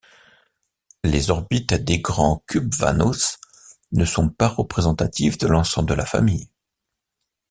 Les orbites des grands cubewanos ne sont pas représentatives de l’ensemble de la famille.